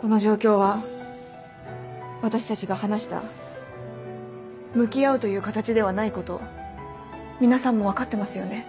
この状況は私たちが話した向き合うという形ではないこと皆さんも分かってますよね？